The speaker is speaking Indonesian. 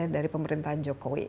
dari pemerintahan jokowi